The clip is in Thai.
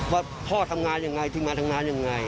ว่าพ่อทำงานอย่างไรถึงมาทำงานอย่างไร